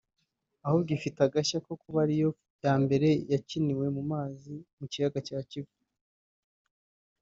ahubwo ifite agashya ko kuba ari yo ya mbere yakiniwe mu mazi mu kiyaga cya Kivu